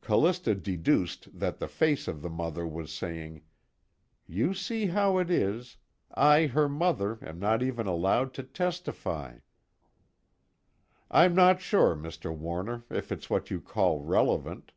Callista deduced that the Face of The Mother was saying: "You see how it is: I her Mother am not even allowed to testify." "I'm not sure, Mr. Warner, if it's what you call relevant."